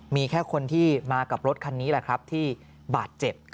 มีแค่คนที่มากับรถคันนี้แหละครับที่บาดเจ็บ